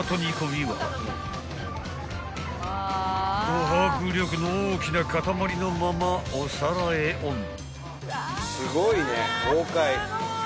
［ど迫力の大きな塊のままお皿へオン］